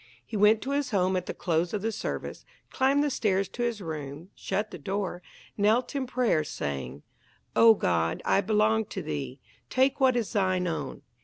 He went to his home at the close of the service, climbed the stairs to his room, shut the door, knelt in prayer, saying, "O God, I belong to thee, take what is thine own."